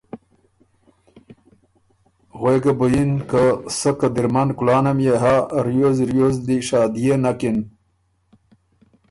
غوېکه بو یِن که سۀ قدِرمن کلانه ميې هۀ ریوز ریوز دی شادئے نکِن